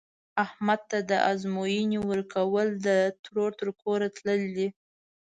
احمد ته د ازموینې ورکول، د ترور تر کوره تلل دي.